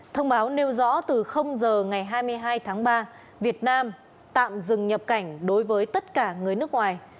thông báo nêu rõ từ giờ ngày hai mươi hai tháng ba việt nam tạm dừng nhập cảnh đối với tất cả người nước ngoài